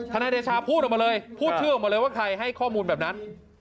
ทรนดชาผู้ถึงมาเลยพูดคือมาเลยแหละว่าใครให้ข้อมูลแบบนั้น